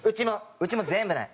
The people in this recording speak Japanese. うちも全部ない。